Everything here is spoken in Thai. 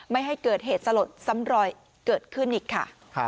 ไม่ให้เกิดเหตุสลดซ้ำรอยเกิดขึ้นอีกค่ะ